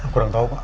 kurang tau pak